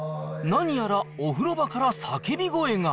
何やら、お風呂場から叫び声が。